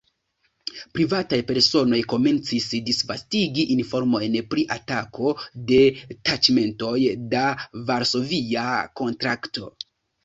Privataj personoj komencis disvastigi informojn pri atako de taĉmentoj de Varsovia Kontrakto.